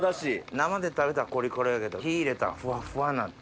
生で食べたらコリコリやけど火入れたらふわふわになって。